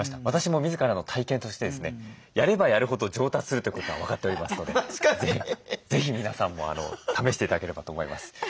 私も自らの体験としてですねやればやるほど上達するということが分かっておりますので是非皆さんも試して頂ければと思います。